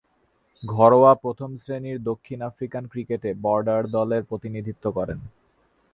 ঘরোয়া প্রথম-শ্রেণীর দক্ষিণ আফ্রিকান ক্রিকেটে বর্ডার দলের প্রতিনিধিত্ব করেন।